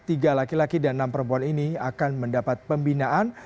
tiga laki laki dan enam perempuan ini akan mendapat pembinaan